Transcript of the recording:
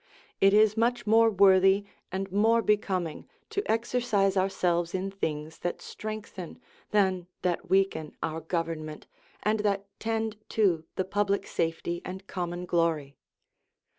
It is much more worthy and more becoming to exercise ourselves in things that strengthen than that weaken our government and that tend to the public safety and common glory.